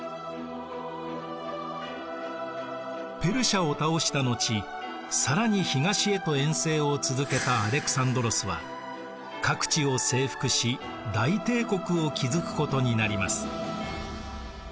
ペルシアを倒した後更に東へと遠征を続けたアレクサンドロスは各地を征服し大帝国を築くことになります。